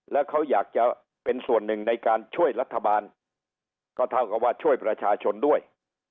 แล้วเขาอยากจะเป็นส่วนหนึ่งในการช่วยรัฐบาลก็เท่ากับว่าช่วยประชาชนด้วย